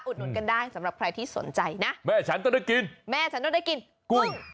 หนุนกันได้สำหรับใครที่สนใจนะแม่ฉันต้องได้กินแม่ฉันต้องได้กินกุ้ง